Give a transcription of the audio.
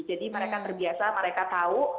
jadi mereka terbiasa mereka tahu